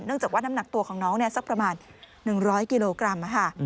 จากว่าน้ำหนักตัวของน้องสักประมาณ๑๐๐กิโลกรัม